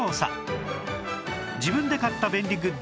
自分で買った便利グッズ